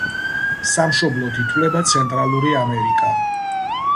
სამშობლოდ ითვლება ცენტრალური ამერიკა.